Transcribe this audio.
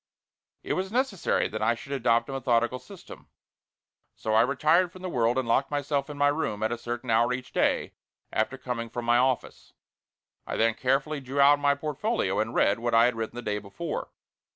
It was necessary that I should adopt a methodical system, so I retired from the world and locked myself in my room at a certain hour each day, after coming from my office. I then carefully drew out my portfolio and read what I had written the day before.